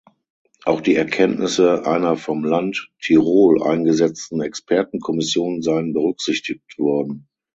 Auch die Erkenntnisse einer vom Land Tirol eingesetzten Expertenkommission seien berücksichtigt worden.